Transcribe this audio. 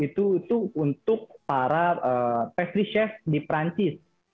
itu untuk para pastry chef di perancis